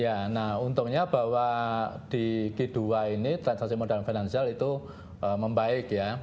ya nah untungnya bahwa di g dua ini transaksi modal finansial itu membaik ya